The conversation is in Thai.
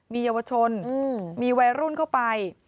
มีเยาวชนมีวัยรุ่นเข้าไป